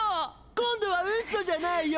今度はウソじゃないよ！